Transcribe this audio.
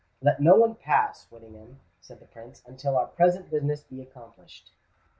"Let no one pass, Whittingham," said the Prince, "until our present business be accomplished."